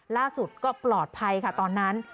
ล่าสุดก็ปลอดภัยค่ะตอนนั้น